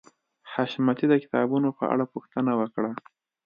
حشمتي د کتابونو په اړه پوښتنه وکړه